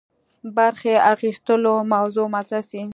برخي اخیستلو موضوع مطرح سي.